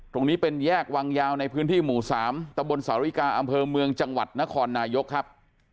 ตรงนี้เป็นแยกวังยาวในพื้นที่หมู่๓ตะบนสาวริกาอำเภอเมืองจังหวัดนครนายกครับ